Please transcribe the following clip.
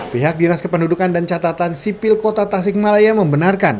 pihak dinas kependudukan dan catatan sipil kota tasikmalaya membenarkan